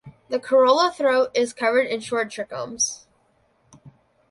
The corolla throat is covered in short trichomes.